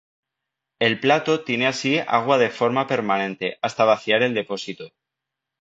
El plato tiene así agua de forma permanente hasta vaciar el depósito.